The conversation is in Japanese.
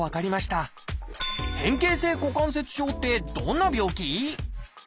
変形性股関節症ってどんな病気？